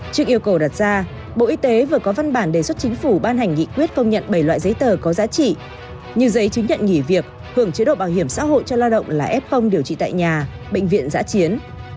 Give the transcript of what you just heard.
trước yêu cầu đặt ra bộ y tế vừa có văn bản đề xuất chính phủ ban hành nghị quyết công nhận bảy loại giấy tờ có giá trị như giấy chứng nhận nghỉ việc hưởng chế độ bảo hiểm xã hội cho lao động là f điều trị tại nhà bệnh viện giã chiến